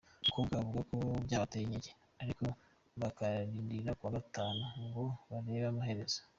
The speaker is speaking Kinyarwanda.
Umukobwa avuga ko byabateye inkeke ariko bakarindira ku wa Gatanu ngo barebe amaherezo.